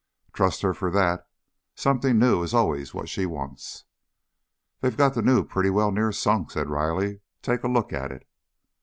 "Trust her for that. Something new is always what she wants." "They've got the new well pretty near sunk," said Riley. "Take a look at it?"